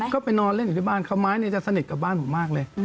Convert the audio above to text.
ก็ไปนอนเล่นอยู่ที่บ้านเขาไม้เนี่ยจะสนิทกับบ้านผมมากเลย